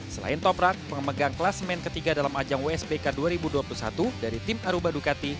selain toprak pengemegang kelasemen ketiga dalam ajang wsbk dua ribu dua puluh satu dari tim aruba dukati